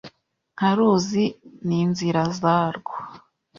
Nka ruzi ninzira zarwo